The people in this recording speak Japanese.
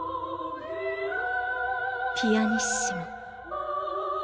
ピアニッシモ。